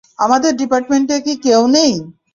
আমাদের ডিপার্টমেন্টে কি কেউ নেই?